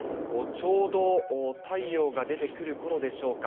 ちょうど太陽が出てくるころでしょうか。